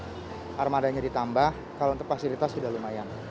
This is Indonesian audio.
kalau armadanya ditambah kalau untuk fasilitas sudah lumayan